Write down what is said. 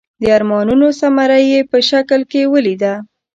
د ارمانونو ثمره یې په شکل کې ولیده.